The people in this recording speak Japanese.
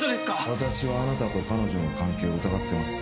私はあなたと彼女の関係を疑ってます